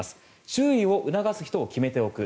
注意を促す人を決めておく。